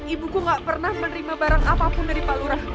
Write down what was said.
ibuku gak pernah menerima barang apapun dari pak lurah